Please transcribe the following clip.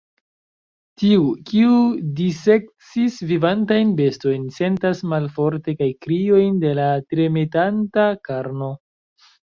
Tiu, kiu dissekcis vivantajn bestojn, sentas malforte la kriojn de la tremetanta karno.